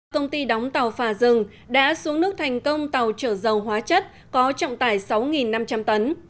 công ty đóng tàu phà rừng đã xuống nước thành công tàu trở dầu hóa chất có trọng tải sáu năm trăm linh tấn